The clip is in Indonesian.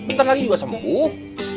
ntar lagi juga sembuh